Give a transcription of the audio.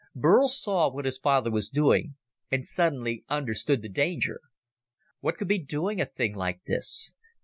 Burl saw what his father was doing and suddenly understood the danger. What could be doing a thing like this?